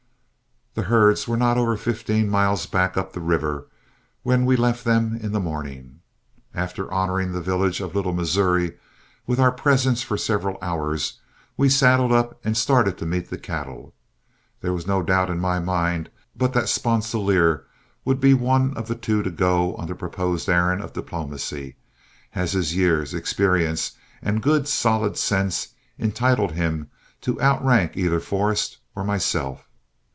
The herds were not over fifteen miles back up the river when we left them in the morning. After honoring the village of Little Missouri with our presence for several hours, we saddled up and started to meet the cattle. There was no doubt in my mind but that Sponsilier would be one of the two to go on the proposed errand of diplomacy, as his years, experience, and good solid sense entitled him to outrank either Forrest or myself.